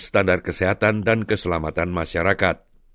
standar kesehatan dan keselamatan masyarakat